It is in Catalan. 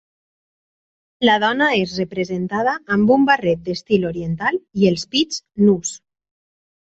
La dona és representada amb un barret d'estil oriental i els pits nus.